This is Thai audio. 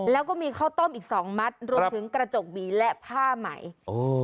แล้วก็มีข้าวต้มอีกสองมัดรวมถึงกระจกหวีและผ้าไหมโอ้